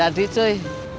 gak jadi cuy